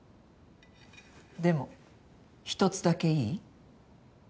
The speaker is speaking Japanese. でも１つだけいい？